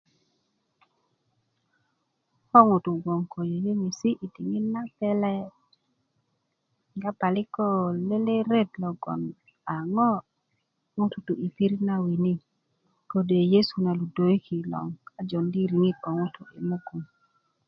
ko ŋutu' gboŋ ko yöŋesi yi diŋit na pele' kega parik ko lele' ret a ŋo' ŋutu' tu yi pirit na wini kode' yesu na ludeeki' a jondi' riŋit ko ŋutu' mugun